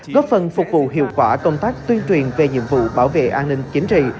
góp phần phục vụ hiệu quả công tác tuyên truyền về nhiệm vụ bảo vệ an ninh chính trị